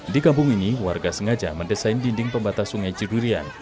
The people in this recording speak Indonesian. di kampung ini warga sengaja mendesain dinding pembatas sungai cidurian